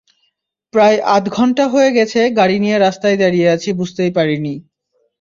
প্রায় আধা ঘণ্টা হয়ে গেছে গাড়ি নিয়ে রাস্তায় দাঁড়িয়ে আছি বুঝতেই পারিনি।